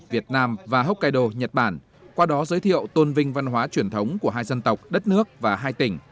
việt nam và hokkaido nhật bản qua đó giới thiệu tôn vinh văn hóa truyền thống của hai dân tộc đất nước và hai tỉnh